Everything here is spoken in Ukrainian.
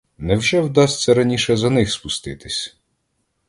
Невже вдасться раніше за них спуститись!